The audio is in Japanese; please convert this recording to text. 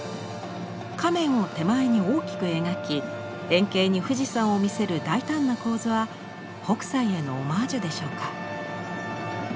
亀を手前に大きく描き遠景に富士山を見せる大胆な構図は北斎へのオマージュでしょうか。